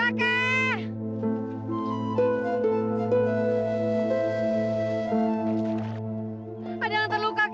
ada yang terluka kek